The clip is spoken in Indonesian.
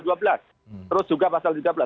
terus juga pasal tiga belas